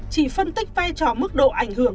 chỉ phân tích vai trò mức độ ảnh hưởng